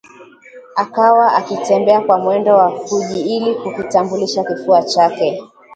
Akawa akitembea kwa mwendo wa puji ili kukitambulisha kifua chake